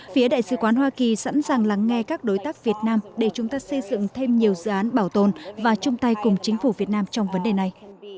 phía đại sứ quán hoa kỳ sẵn sàng lắng nghe các đối tác việt nam để chúng ta xây dựng thêm nhiều dự án bảo tồn và chung tay cùng chính phủ việt nam trong vấn đề này